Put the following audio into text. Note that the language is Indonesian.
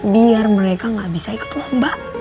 biar mereka gak bisa ikut lomba